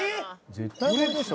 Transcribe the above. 絶対これでしょ。